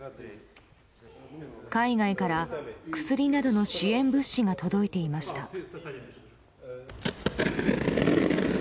海外から薬などの支援物資が届いていました。